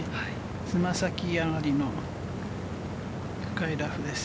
爪先上がりの深いラフです。